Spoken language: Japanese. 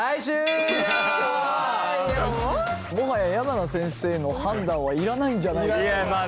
もはや山名先生の判断はいらないんじゃないかと。